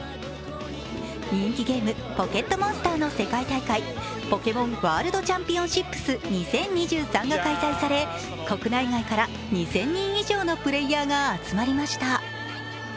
人気ゲーム「ポケットモンスター」の世界大会、「ポケモンワールドチャンピオンシップス２０２３」が開催され、国内外から２０００人以上のプレーヤーが集まりました。